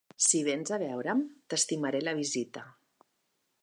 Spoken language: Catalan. Si vens a veure'm, t'estimaré la visita.